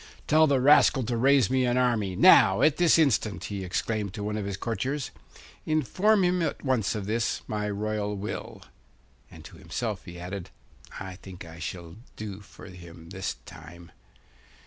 'Tell the rascal to raise me an army, now at this instant!' he exclaimed to one of his courtiers. 'Inform him at once of this, my royal will.' And to himself he added, 'I think I shall do for him this time.